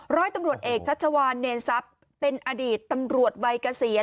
ร้อยตำรวจเอกชัชวานเนรทรัพย์เป็นอดีตตำรวจวัยเกษียณ